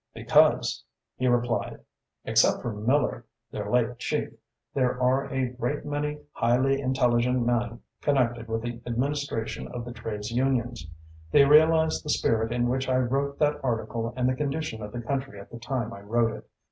"Because," he replied, "except for Miller, their late chief, there are a great many highly intelligent men connected with the administration of the trades unions. They realised the spirit in which I wrote that article and the condition of the country at the time I wrote it.